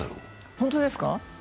本当ですか？